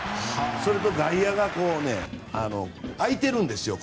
それと外野が開いているんですよ